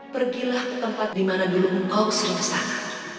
pergilah ke tempat dimana dulu engkau serius sangat